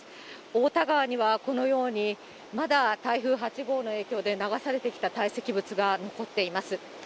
太田川にはこのようにまだ台風８号の影響で流されてきた堆積物が残っています。